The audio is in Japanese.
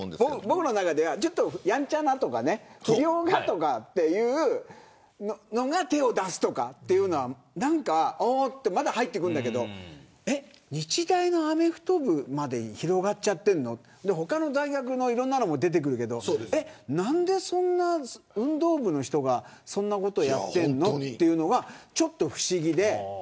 僕の中ではちょっとやんちゃなというか不良が手を出すというのはまだ入ってくるんだけど日大のアメフト部にまで広がっちゃってるの他の大学のいろんなのも出てくるけど何で、そんな運動部の人がそんなことをやってるのというのが不思議で。